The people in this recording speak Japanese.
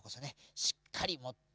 しっかりもって！